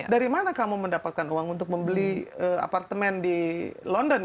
dari mana kamu mendapatkan uang untuk membeli apartemen di london